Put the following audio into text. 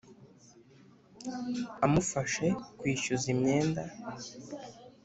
Amufashe kwishyuza imyenda